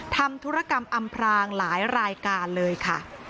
ทำธุรกรรมอำพรางหลายรายการเลยค่ะ